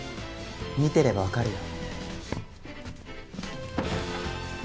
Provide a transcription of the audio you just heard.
見てればわかるよ。